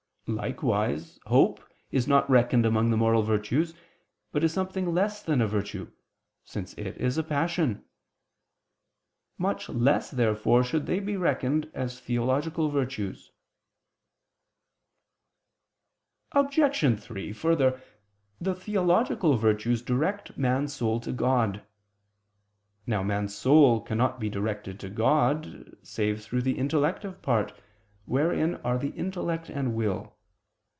Likewise hope is not reckoned among the moral virtues, but is something less than a virtue, since it is a passion. Much less therefore should they be reckoned as theological virtues. Obj. 3: Further, the theological virtues direct man's soul to God. Now man's soul cannot be directed to God, save through the intellective part, wherein are the intellect and will.